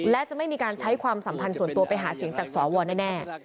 และจะไม่มีการใช้ความสัมพันธ์ส่วนตัวไปหาเสียงจากสวแน่